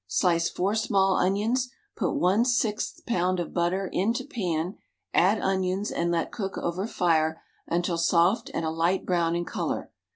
Slice four small onions. Put one sixth pound of butter into pan, add onions and let cook over fire until soft and a light brown in color.